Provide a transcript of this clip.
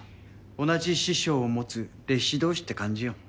同じ師匠を持つ弟子同士って感じよ。